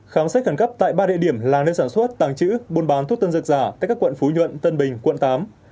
khám xét khẩn cấp tại ba địa điểm là nơi sản xuất tàng trữ buôn bán thuốc tân dược giả tại các quận phú nhuận tân bình quận tám